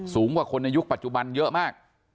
สูงกว่าคนในยุคปัจจุบันเยอะมาก